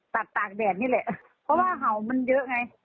ตากตากแดดนี่แหละเพราะว่าเห่ามันเยอะไง